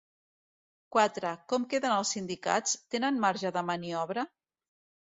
Quatre-Com queden els sindicats, tenen marge de maniobra?